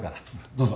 どうぞ。